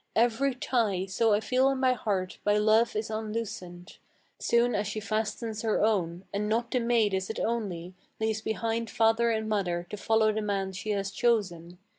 Every tie, so I feel in my heart, by love is unloosened Soon as she fastens her own; and not the maid is it only Leaves behind father and mother, to follow the man she has chosen.